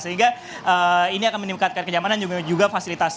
sehingga ini akan meningkatkan kenyamanan juga fasilitas